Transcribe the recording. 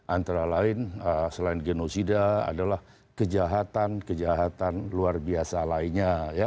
antara lain selain genosida adalah kejahatan kejahatan luar biasa lainnya